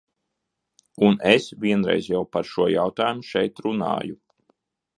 Un es vienreiz jau par šo jautājumu šeit runāju.